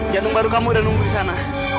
jantung baru kamu udah nunggu disana